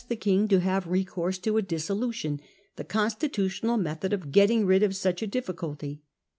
the King to have recourse to a dissolution, the constitu tional method of getting rid of such a difficulty.